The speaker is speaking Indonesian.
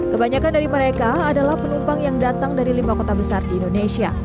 kebanyakan dari mereka adalah penumpang yang datang dari lima kota besar di indonesia